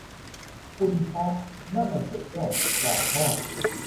คุณพระ นั่นมันสุดยอด ฉลาดมาก